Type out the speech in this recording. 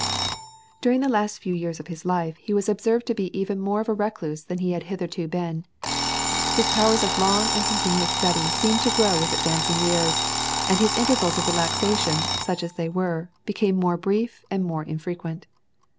During the last few years of his life he was observed to be even more of a recluse than he had hitherto been. His powers of long and continuous study seemed to grow with advancing years, and his intervals of relaxation, such as they were, became more brief and more infrequent.